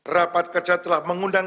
rapat kerja telah mengundang